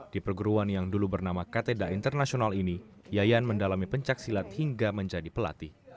di perguruan yang dulu bernama kateda internasional ini yayan mendalami pencaksilat hingga menjadi pelatih